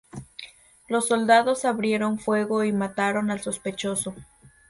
Los soldados abrieron fuego y mataron al sospechoso.